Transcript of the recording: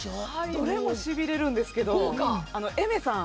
どれもしびれるんですけどＡｉｍｅｒさん。